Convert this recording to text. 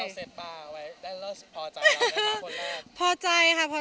หรือว่าเราเซตปลาไว้แล้วพอใจเราเลยค่ะคนแรก